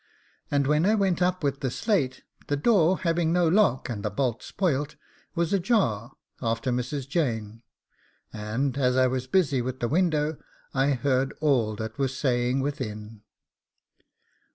And when I went up with the slate, the door having no lock, and the bolt spoilt, was ajar after Mrs. Jane, and, as I was busy with the window, I heard all that was saying within.